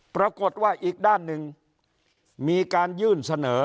ปรากฏว่าอีกด้านหนึ่งมีการยื่นเสนอ